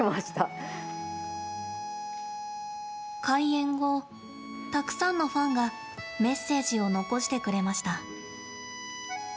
開園後、たくさんのファンがメッセージを残してくれました。